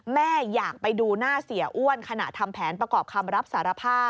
แม่อยากไปดูหน้าเสียอ้วนขณะทำแผนประกอบคำรับสารภาพ